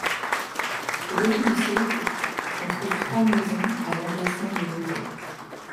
Au début du siècle, on trouve trois maisons à l'emplacement de l'hôtel.